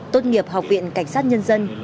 tốt nghiệp học viện cảnh sát nhân dân